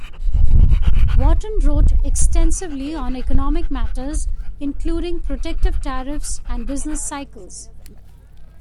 Wharton wrote extensively on economic matters, including protective tariffs and business cycles.